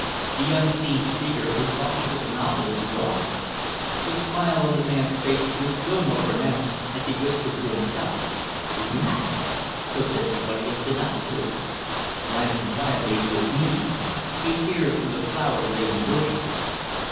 The unseen speaker was talking to the novelist's dog. The smile on the man's face was still more pronounced, as he whispered to himself, "The rascal! So this is what he has been up to!" Rising quietly to his knees, he peered through the flower laden bushes.